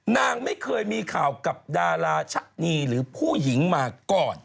นางไม่เคยมีข่าวกับดาราชนีหรือผู้หญิงมาก่อน